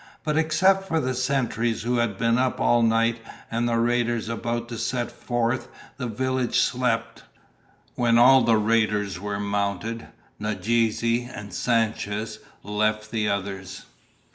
But except for the sentries who had been up all night, and the raiders about to set forth, the village slept. When all the raiders were mounted, Nadeze and Sanchez left the others.